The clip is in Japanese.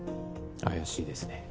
怪しいですね